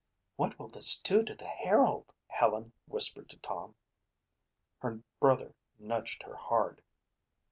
"What will this do to the Herald?" Helen whispered to Tom. Her brother nudged her hard.